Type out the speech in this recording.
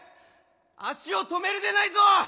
足を止めるでないぞ！